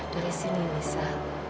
dari sini nisa